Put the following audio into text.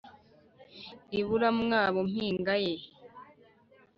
ibura mwabo mpinga ye